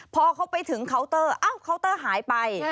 พอเขาไปถึงเคาน์เตอร์เอ้าเคาน์เตอร์หายไป